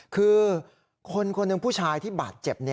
คือคนคนหนึ่งผู้ชายที่บาดเจ็บ